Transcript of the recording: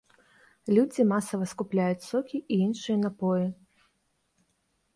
Людзі масава скупляюць сокі і іншыя напоі.